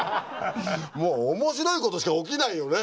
もう面白いことしか起きないよね